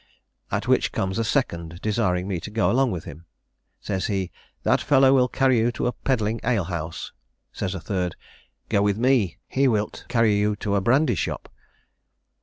'At which comes a second, desiring me to go along with him. Says he, 'That fellow will carry you to a pedling alehouse.' Says a third, 'Go with me; he wilt carry you to a brandy shop.'